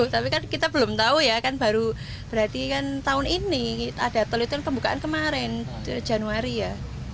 tapi kan kita belum tahu ya kan baru berarti kan tahun ini ada tol itu kan pembukaan kemarin januari ya